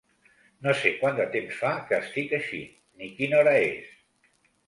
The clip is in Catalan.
No sé quant de temps fa que estic així ni quina hora és.